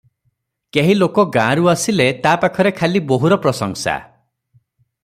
କେହି ଲୋକ ଗାଁରୁ ଆସିଲେ ତା ପାଖରେ ଖାଲି ବୋହୁର ପ୍ରଶଂସା ।